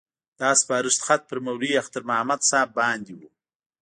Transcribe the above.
دا سپارښت خط پر مولوي اختر محمد صاحب باندې وو.